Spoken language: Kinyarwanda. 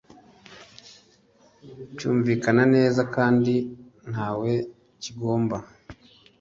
cyumvikana neza kandi ntawe kigomba